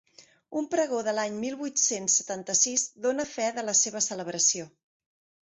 Un Pregó de l'any mil vuit-cents setanta-sis dóna fe de la seva celebració.